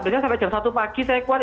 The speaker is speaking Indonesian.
sebenarnya sampai jam satu pagi saya kuat